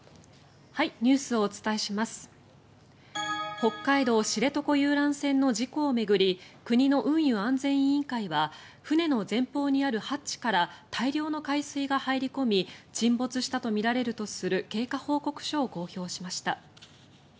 北海道知床遊覧船の事故を巡り国の運輸安全委員会は船の前方にあるハッチから大量の海水が入り込み沈没したとみられるとする経過報告書を公表しました。